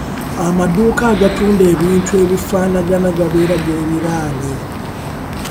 Amaduuka agatunda ebintu ebifaanagana gabeera geeriraanye.